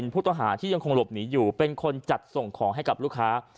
ผู้ต้องหาที่ยังคงหลบหนีอยู่เป็นคนจัดส่งของให้กับลูกค้า